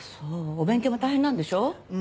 お勉強も大変なんでしょう？